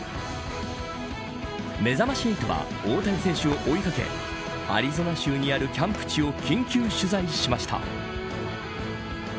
めざまし８は大谷選手を追いかけアリゾナ州にあるキャンプ地を緊急取材しました。